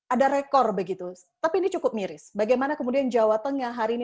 ada rekor begitu tapi ini cukup miris bagaimana kemudian jawa tengah hari ini